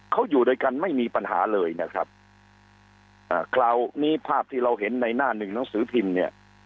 เขาอยู่ด้วยกันไม่มีปัญหาเลยนะครับอ่าคราวนี้ภาพที่เราเห็นในหน้าหนึ่งหนังสือพิมพ์เนี่ย